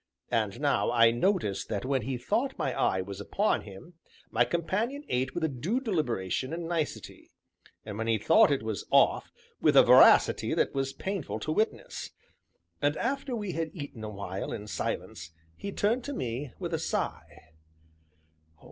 And now I noticed that when he thought my eye was upon him, my companion ate with a due deliberation and nicety, and when he thought it was off, with a voracity that was painful to witness. And after we had eaten a while in silence, he turned to me with a sigh.